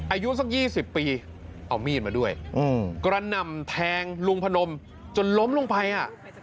อายุสัก๒๐ปีเอามีดมาด้วยกระหน่ำแทงลุงพนมจนล้มลงไปอ่ะ